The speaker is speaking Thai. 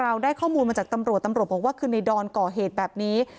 เราได้ข้อมูลมาจากตำรวจตำรวจบอกว่าคือในดอนก่อเหตุแบบนี้